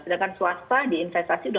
sedangkan swasta di investasi